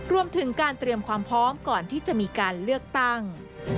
รวมถึงการเตรียมความพร้อมก่อนที่จะมีการเลือกตั้ง